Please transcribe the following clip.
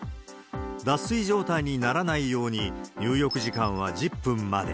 脱水状態にならないように、入浴時間は１０分まで。